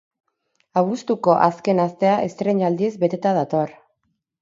Abuztuko azken astea estreinaldiz beteta dator.